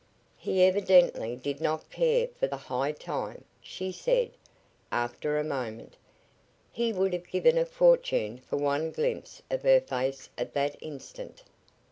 "He evidently did not care for the 'high time,'" she said, after a moment. He would have given a fortune for one glimpse of her face at that instant.